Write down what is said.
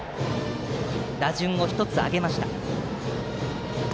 打順を１つ上げました。